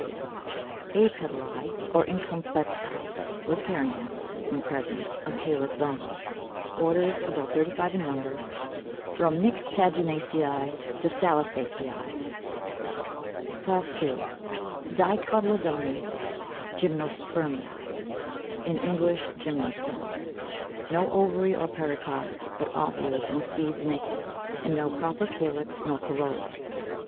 _ APETALÆ or INCOMPLETÆ, with perianth, when present, of calyx only. Orders about 35 in number, from Nyctaginaceæ to Salicaceæ. CLASS II. DICOTYLEDONES GYMNOSPERMEÆ, in English GYMNOSPERMS. No ovary or pericarp, but ovules and seeds naked, and no proper calyx nor corolla.